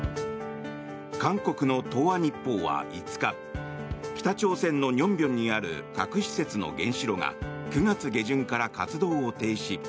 韓国の東亜日報は５日北朝鮮の寧辺にある核施設の原子炉が９月下旬から活動を停止。